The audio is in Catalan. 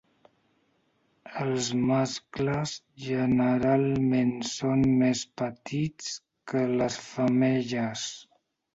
Els mascles generalment són més petits que les femelles.